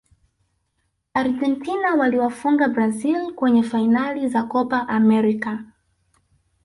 argentina waliwafunga brazil kwenye fainali za kopa amerika